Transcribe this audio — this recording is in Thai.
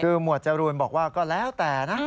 คือหมวดจรูนบอกว่าก็แล้วแต่นะ